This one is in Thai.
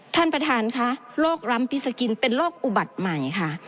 ท่านประธานค่ะโรคร้ำพิษกินเป็นโรคอุบัติใหม่ค่ะ